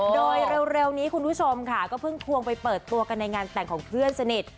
โดยเร็วนี้คุณผู้ชมค่ะก็เพิ่งควงไปเปิดตัวกันในงานแต่งของเพื่อนสนิท